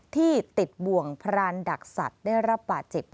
ที่ติดบ่วงพรานดักศัตริย์ได้รับปะจิบ